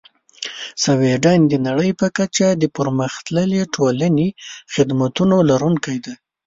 سویدن د نړۍ په کچه د پرمختللې ټولنیزې خدمتونو لرونکی دی.